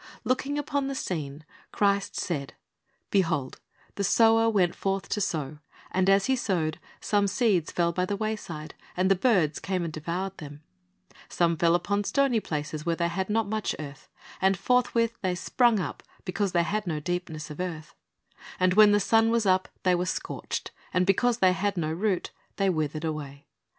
Looking upon the scene, Christ said: — "Behold, the sower went forth to sow; and as he sowed, some seeds fell by the wayside, and the birds came and devoured them;"^ "some fell upon stony places, where they had not much earth; and forthwith they sprung up, because they had no deepness of earth; and when the sun was up, they were scorched; and because they had no root, they withered away.